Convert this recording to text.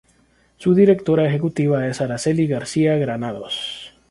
Su Directora Ejecutiva es Aracely García-Granados.